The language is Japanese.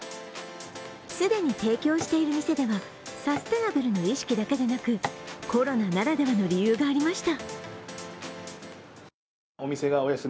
既に提供している店ではサステナブルの意識だけでなくコロナならではの理由がありました。